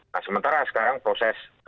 nah sementara sekarang proses